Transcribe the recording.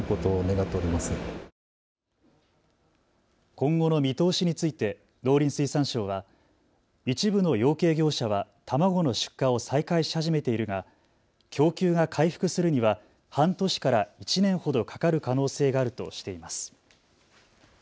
今後の見通しについて農林水産省は一部の養鶏業者は卵の出荷を再開し始めているが供給が回復するには半年から１年ほどかかる可能性があるとしています。